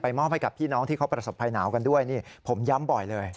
มอบให้กับพี่น้องที่เขาประสบภัยหนาวกันด้วยนี่ผมย้ำบ่อยเลย